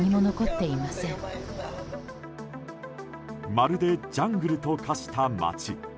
まるでジャングルと化した街。